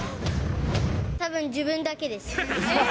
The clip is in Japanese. たぶん、自分だけです。